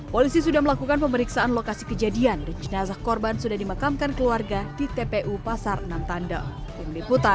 polisi sudah melakukan pemeriksaan lokasi kejadian dan jenazah korban sudah dimakamkan keluarga di tpu pasar enam tanda